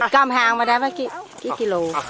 กล้ามหาวมาได้ไหมกี่กิโล